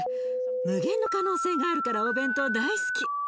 無限の可能性があるからお弁当大好き！